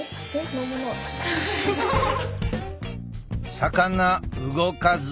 魚動かず。